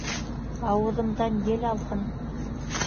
Ауыҙымдан ел алһын.